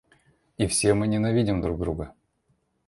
И все мы ненавидим друг друга.